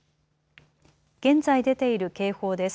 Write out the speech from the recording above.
現在出ている警報です。